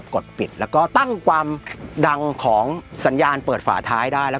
ดปิดแล้วก็ตั้งความดังของสัญญาณเปิดฝาท้ายได้